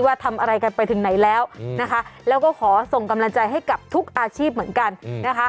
ว่าทำอะไรกันไปถึงไหนแล้วนะคะแล้วก็ขอส่งกำลังใจให้กับทุกอาชีพเหมือนกันนะคะ